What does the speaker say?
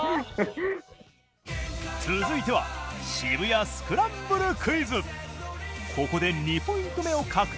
続いては渋谷スクランブルクイズ。